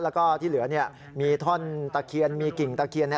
แล้วก็ที่เหลือมีท่อนตะเคียนมีกิ่งตะเคียน